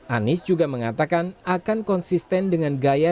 anies juga mengatakan akan konsisten dengan gaya